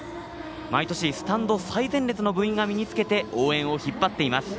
毎年、スタンド最前列の部員が身につけて応援を引っ張っています。